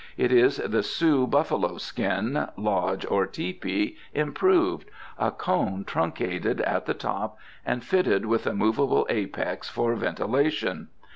It is the Sioux buffalo skin, lodge, or Tepee, improved, a cone truncated at the top and fitted with a movable apex for ventilation.